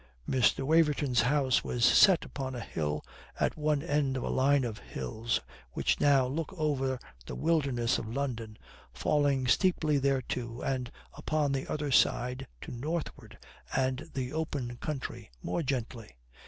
Mr. Waverton's house was set upon a hill, at one end of a line of hills which now look over the wilderness of London, falling steeply thereto, and upon the other side, to northward and the open country, more gently.